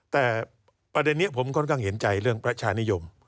แต่ประเด็นนี้ผมค่อนข้างเห็นใจเรื่องประชานิยม